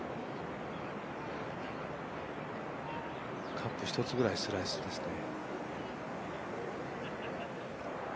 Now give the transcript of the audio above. カップ１つぐらいスライスですね。